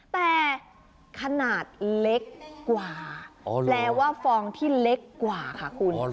แต่ขนาดเล็กกว่าแปลว่าฟองที่เล็กกว่าค่ะคุณ